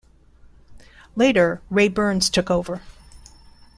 Later Ray Burns took over.